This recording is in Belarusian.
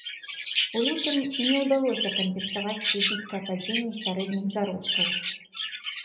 У лютым не не ўдалося кампенсаваць студзеньскае падзенне сярэдніх заробкаў.